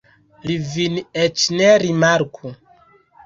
Li vin eĉ ne rimarku.